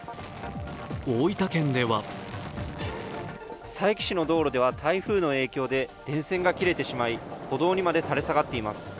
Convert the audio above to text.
大分県では佐伯市の道路では台風の影響で電線が切れてしまい歩道にまで垂れ下がっています。